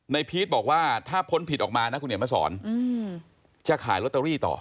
พีชบอกว่าถ้าพ้นผิดออกมานะคุณเหนียวมาสอนจะขายลอตเตอรี่ต่อ